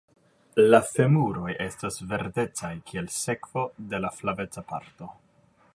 La femuroj estas verdecaj kiel sekvo de la flaveca parto.